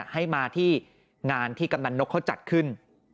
ให้มาที่งานที่กำนันนกเขาจัดขึ้น